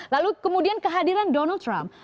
lalu kemudian kehadiran donald trump